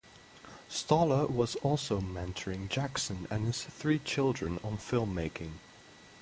Stoller was also mentoring Jackson and his three children on filmmaking.